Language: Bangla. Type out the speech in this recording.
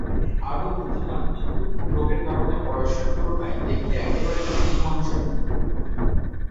অরো বুদ্ধিমান কিন্তু রোগের কারণে বয়সের তুলনায় দেখতে একেবারে বৃদ্ধ মানুষের মতো।